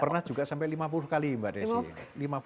pernah juga sampai lima puluh kali mbak desi